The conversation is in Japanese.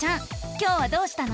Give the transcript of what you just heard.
今日はどうしたの？